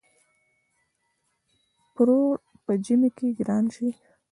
پروړ په ژمی کی ګران شی.